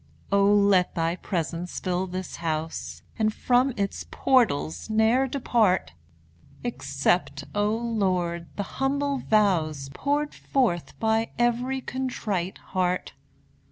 O let thy presence fill this house, And from its portals ne'er depart! Accept, O Lord! the humble vows Poured forth by every contrite heart!